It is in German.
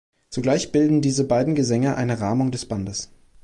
Zugleich bilden diese beiden Gesänge eine Rahmung des Bandes.